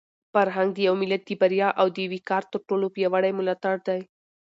فرهنګ د یو ملت د بریا او د وقار تر ټولو پیاوړی ملاتړی دی.